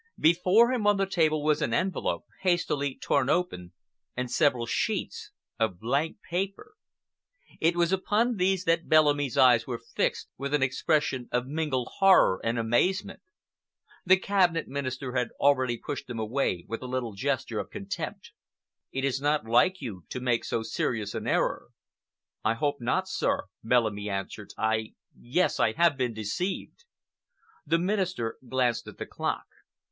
Before him on the table was an envelope, hastily torn open, and several sheets of blank paper. It was upon these that Bellamy's eyes were fixed with an expression of mingled horror and amazement. The Cabinet Minister had already pushed them away with a little gesture of contempt. "Bellamy," he said gravely, "it is not like you to make so serious an error. "I hope not, sir," Bellamy answered. "I—yes, I have been deceived." The Minister glanced at the clock.